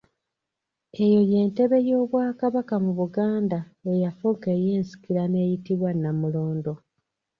Eyo ye ntebe y'Obwakabaka mu Buganda eyafuuka ey'ensikirano eyitibwa Nnamulondo.